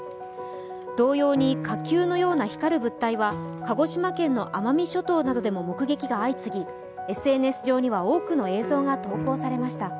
同様に火球のように光る物体は鹿児島県の奄美諸島でも多く見られてＳＮＳ上には多くの映像が投稿されました。